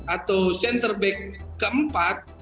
atau center back keempat